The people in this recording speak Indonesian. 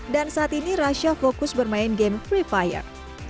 dan saat ini rasha fokus bermain game free fire